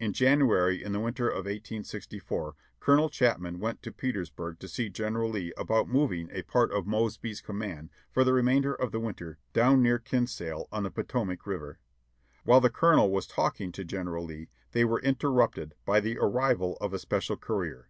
In January in the winter of 1864 Colonel Chapman went to Pe tersburg to see General Lee about moving a part of Mosby's com mand for the remainder of the winter down near Kinsale, on the Potomac River. While the Colonel was talking to General Lee they were interrupted bv the arrival of a special courier.